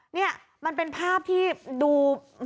นี่มันเป็นภาพที่ดู